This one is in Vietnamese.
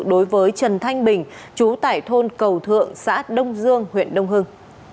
đối với trần thanh bình chú tại thôn cầu thượng xã đông dương huyện đông hưng